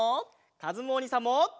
かずむおにいさんも！